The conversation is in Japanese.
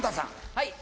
はい。